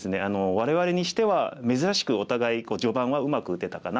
我々にしては珍しくお互い序盤はうまく打てたかなと思います。